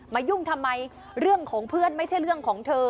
ยุ่งทำไมเรื่องของเพื่อนไม่ใช่เรื่องของเธอ